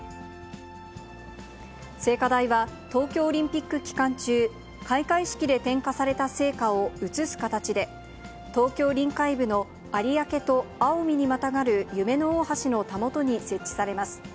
聖火台は東京オリンピック期間中、開会式で点火された聖火を移す形で、東京臨海部の有明と青海にまたがる夢の大橋のたもとに設置されます。